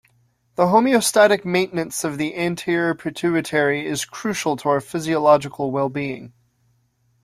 The homeostatic maintenance of the anterior pituitary is crucial to our physiological well being.